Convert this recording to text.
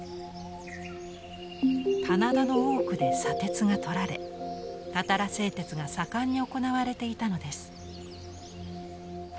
棚田の多くで砂鉄がとられたたら製鉄が盛んに行われていたのです。